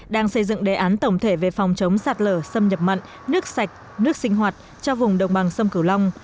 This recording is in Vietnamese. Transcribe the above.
đang xây dựng đề án tổng thể về phòng chống sạt lở xâm nhập mặn nước sạch nước sinh hoạt cho vùng đồng bằng sông cửu long